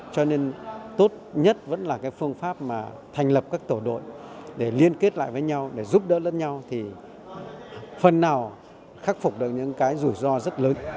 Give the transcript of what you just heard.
cho nên tốt nhất vẫn là phương pháp thành lập các tổ đội để liên kết lại với nhau giúp đỡ lẫn nhau phần nào khắc phục được những rủi ro rất lớn